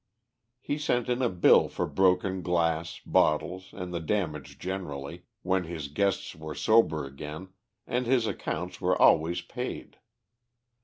He sent in a bill for broken glass, bottles, and the damage generally, when his guests were sober again, and his accounts were always paid.